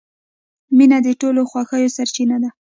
• مینه د ټولو خوښیو سرچینه ده.